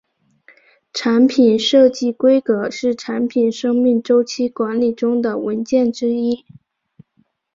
产品设计规格是产品生命周期管理中的文件之一。